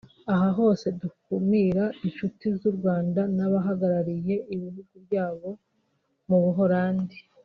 aha hose dutumira inshuti z’u Rwanda n’abahagarariye ibihugu byabo mu Buholandi